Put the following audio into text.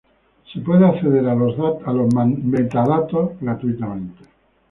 Se puede acceder a los metadatos gratuitamente.